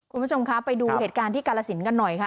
คุณผู้ชมคะไปดูเหตุการณ์ที่กาลสินกันหน่อยค่ะ